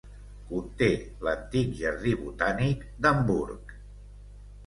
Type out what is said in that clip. Conté l'antic jardí botànic d'Hamburg.